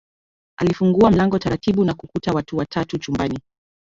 Alifungua mlango taratibu na kukuta watu watatu chumbani